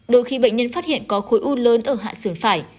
đôi khi bệnh nhân phát hiện có khối u lớn ở hạ sườn phải